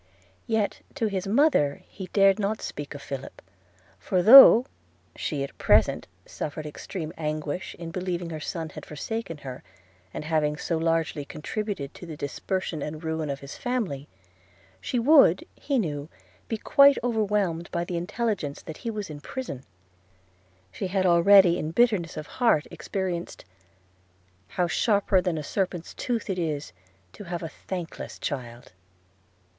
Yet, to his mother he dared not speak of Philip; for, though she at present suffered extreme anguish in believing her son had forsaken her, after having so largely contributed to the dispersion and ruin of his family, she would, he knew, be quite overwhelmed by the intelligence that he was in prison. She had already in bitterness of heart experienced – 'How sharper than a serpent's tooth it is To have a thankless child.'